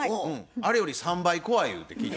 あれより３倍怖いゆうて聞いて。